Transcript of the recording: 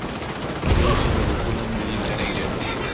Por ello se revocó la medida".